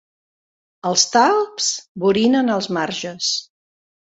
Els talps borinen els marges.